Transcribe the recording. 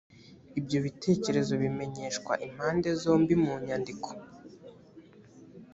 ibyo bitekerezo bimenyeshwa impande zombi mu nyandiko